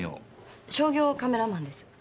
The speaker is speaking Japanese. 商業カメラマンです。